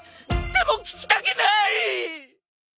でも聞きたくなーい！